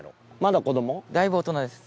だいぶ大人です。